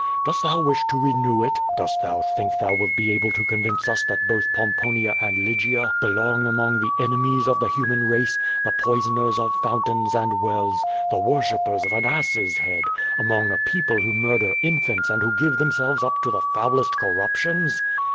Dost thou wish to renew it? Dost thou think thou wilt be able to convince us that both Pomponia and Lygia belong among the enenfics of the human race, the poisoners of foun tains and w^ells, the worshippers of an ass's head, among a people who murder infants and who give themselves up to the foulest corruptions?